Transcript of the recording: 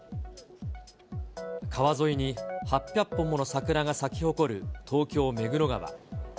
川沿いに８００本もの桜が咲き誇る東京・目黒川。